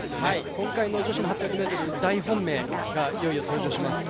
今回の女子の８００ｍの大本命がいよいよ登場します。